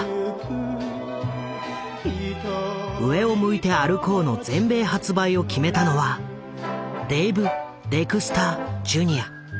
「上を向いて歩こう」の全米発売を決めたのはデイブ・デクスター・ジュニア。